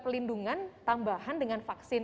pelindungan tambahan dengan vaksin